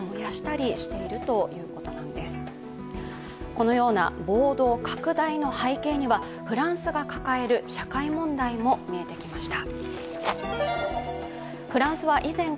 このような暴動拡大の背景には、フランスが抱える社会問題も見えてきました。